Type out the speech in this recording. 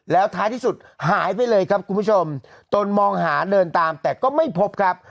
แล้วท้ายที่สุดหายไปเลยครับคุณผู้ชมตนมองหาเดินตามแต่ก็ไม่พบครับ